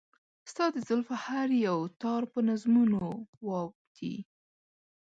ستا د زلفو هر يو تار په نظمونو و اوبدي .